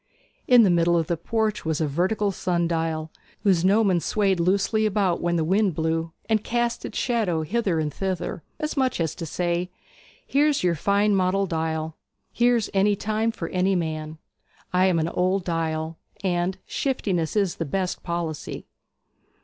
In the middle of the porch was a vertical sun dial, whose gnomon swayed loosely about when the wind blew, and cast its shadow hither and thither, as much as to say, 'Here's your fine model dial; here's any time for any man; I am an old dial; and shiftiness is the best policy.'